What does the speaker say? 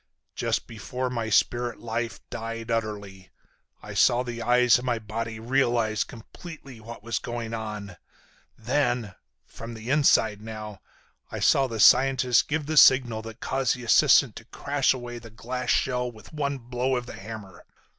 Just before my spirit life died utterly I saw the eyes of my body realize completely what was going on, then—from the inside now—I saw the scientist give the signal that caused the assistant to crash away the glass shell with one blow of his hammer.